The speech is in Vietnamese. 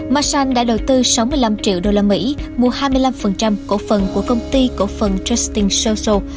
masan đã đầu tư sáu mươi năm triệu đô la mỹ mua hai mươi năm cổ phần của công ty cổ phần trusting social